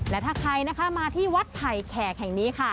และถ้าใครนะคะมาที่วัดไผ่แขกแห่งนี้ค่ะ